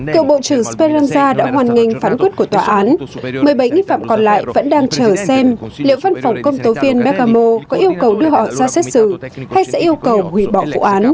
cựu bộ trưởng speanza đã hoàn ngành phán quyết của tòa án một mươi bảy nghi phạm còn lại vẫn đang chờ xem liệu văn phòng công tố viên bevao có yêu cầu đưa họ ra xét xử hay sẽ yêu cầu hủy bỏ vụ án